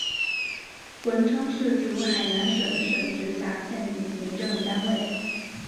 文昌市属海南省省直辖县级行政单位。